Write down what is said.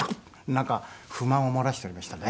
なんか不満を漏らしておりましたね。